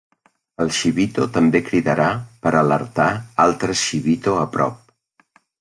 El Shibito també cridarà per alertar altres Shibito a prop.